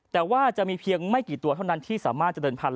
แต่ว่าจะมีเพียงไม่กี่ตัวเท่านั้นที่สามารถจะเดินพัน